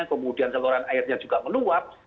kemudian saluran airnya juga meluap